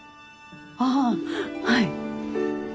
ああはい。